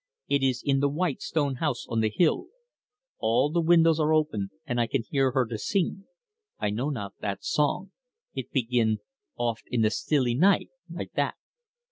It is in the white stone house on the hill. All the windows are open, an' I can hear her to sing. I not know that song. It begin, 'Oft in the stilly night' like that."